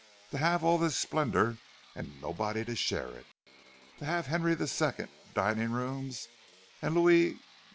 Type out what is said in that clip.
To have all this splendour, and nobody to share it! To have Henri II. dining rooms and Louis XVI.